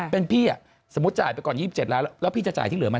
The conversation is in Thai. เป็นพี่สมมุติจ่ายไปก่อน๒๗ล้านแล้วพี่จะจ่ายที่เหลือมา